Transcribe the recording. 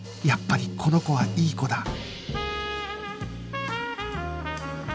やっぱりこの子はいい子だ